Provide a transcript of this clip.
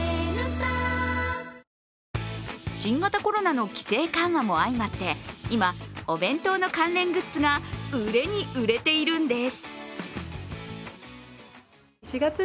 新型コロナの規制緩和も相まって今、お弁当の関連グッズが売れに売れているんです。